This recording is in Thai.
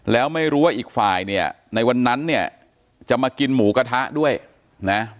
แล้วไม่รู้ว่าอีกฝ่ายเนี่ยในวันนั้นเนี่ยจะมากินหมูกระทะด้วยนะ